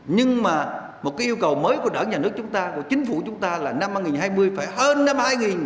nhưng mà một yêu cầu mới của đảng nhà nước chính phủ chúng ta là năm hai nghìn hai mươi phải hơn năm hai nghìn một mươi chín